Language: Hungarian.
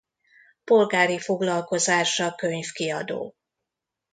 Polgári foglalkozása könyvkiadó.